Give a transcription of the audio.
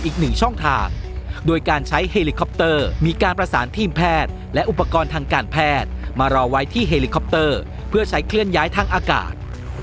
อีกหนึ่งช่องทางโดยการใช้เฮลิคอปเตอร์มีการประสานทีมแพทย์และอุปกรณ์ทางการแพทย์มารอไว้ที่เฮลิคอปเตอร์เพื่อใช้เคลื่อนย้ายทางอากาศ